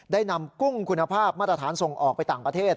ได้นำกุ้งคุณภาพมาตรฐานส่งออกไปต่างประเทศ